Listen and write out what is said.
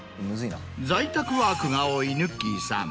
在宅ワークが多いぬっきぃさん